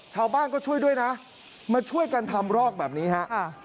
ชาวบ้านก็ช่วยด้วยนะมาช่วยกันทำรอกแบบนี้ฮะ